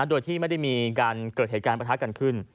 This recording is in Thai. โดยที่ไม่ได้มีการเกิดเหตุการณ์ประทะกันขึ้น